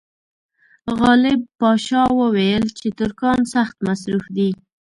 غالب پاشا وویل چې ترکان سخت مصروف دي.